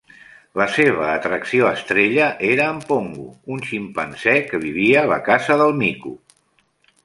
La seva atracció estrella era en "Pongo", un ximpanzé que vivia a la Casa del Mico.